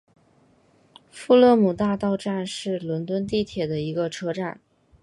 富勒姆大道站是伦敦地铁的一个车站。